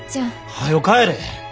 はよ帰れ！